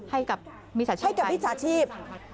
ให้กับมิจฉาชีพไปใช่ไหมใช่ไหมใช่ไหมใช่ไหมใช่ไหมใช่ไหม